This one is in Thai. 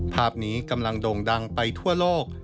ภาพนี้กำลังโด่งดังไปทั่วโลก